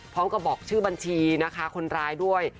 บอกชื่อบัญชีนะคะคนร้ายด้วย